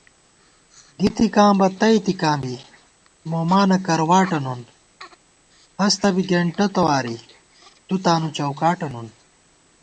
دِتِکاں بہ تئی تِکاں بی، مومانہ کرواٹہ نُن * ہستہ بی گېنٹہ تواری تُو تانُو چوکاٹہ نُن